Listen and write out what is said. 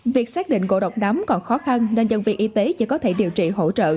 việc xác định ngộ độc đắm còn khó khăn nên nhân viên y tế chỉ có thể điều trị hỗ trợ